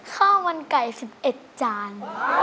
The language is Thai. ข้าวมันไก่๑๑จาน